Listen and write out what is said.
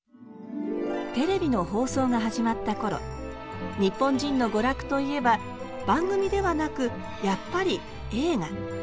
テレビの放送が始まった頃日本人の娯楽といえば番組ではなくやっぱり映画。